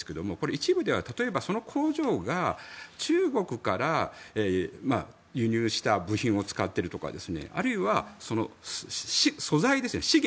一部では例えばその工場が中国から輸入した部品を使っているとかあるいは素材、資源ですよね。